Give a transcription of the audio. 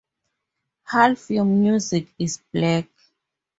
Half your music is black.